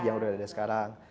seperti ada sekarang